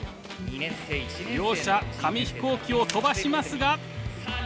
両者紙飛行機を飛ばしますが。